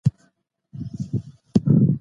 شخصیت لرو.